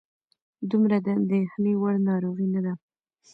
دومره د اندېښنې وړ ناروغي نه ده.